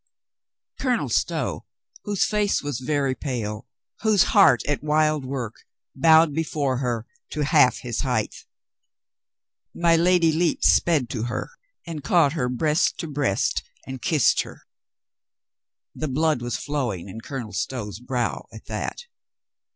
Colonel Stow, whose face was very pale, whose heart at wild work, bowed before her to half his height. My Lady Lepe sped to her and caught her breast to breast and kissed her. The blood was flow ing in Colonel Stow's brow at that.